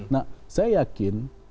nah saya yakin